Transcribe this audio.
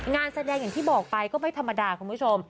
งานแสดงอย่างที่บอกไปก็ไม่ธรรมดาคุณผู้ชม